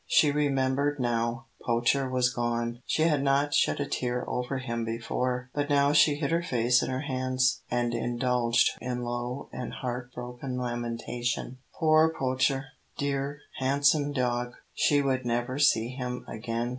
She remembered now Poacher was gone. She had not shed a tear over him before, but now she hid her face in her hands, and indulged in low and heart broken lamentation. Poor Poacher dear, handsome dog! She would never see him again.